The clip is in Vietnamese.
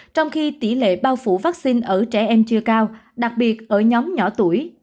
trong khi tỷ lệ bao phủ vaccine ở trẻ em chưa cao đặc biệt ở nhóm nhỏ tuổi